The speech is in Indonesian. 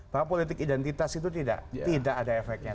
bahwa politik identitas itu tidak tidak ada efeknya